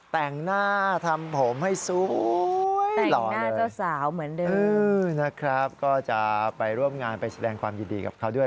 แต่งหน้าทำผมให้สวยหล่อเลยนะครับจะไปร่วมงานไปแสดงความยินดีกับเขาด้วย